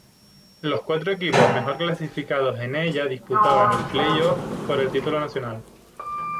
Los cuatro equipos mejor clasificados en ella disputaban el play-off por el título nacional.